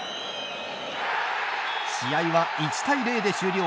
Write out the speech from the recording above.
試合は１対０で終了。